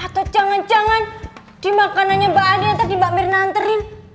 atau jangan jangan di makanannya mbak andi yang tadi mbak mir nanterin